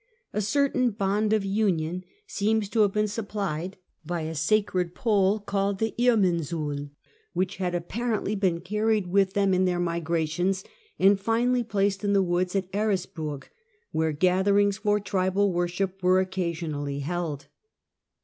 A certain bond of union seems to have been supplied by a sacred pole 154 THE SAXON WARS 155 called the Irminsul, which had apparently been carried with them in their migrations, and finally placed in the woods at Eresburg, where gatherings for tribal worship were occasionally held.